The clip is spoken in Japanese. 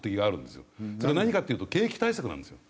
それ何かっていうと景気対策なんですよ。